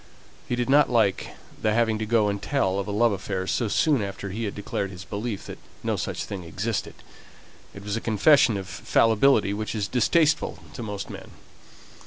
He did not like the having to go and tell of a love affair so soon after he had declared his belief that no such thing existed; it was a confession of fallibility which is distasteful to most men.